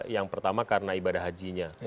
yang pertama karena ibadah hajinya